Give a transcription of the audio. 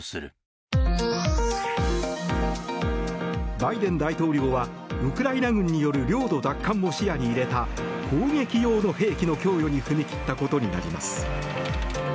バイデン大統領はウクライナ軍による領土奪還も視野に入れた攻撃用の兵器の供与に踏み切ったことになります。